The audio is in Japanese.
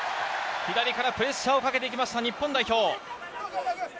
左からプレッシャーをかけてきました日本代表。